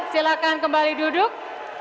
silakan kembali duduk